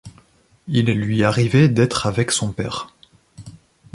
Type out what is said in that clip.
Il lui arrivait d'être avec son père.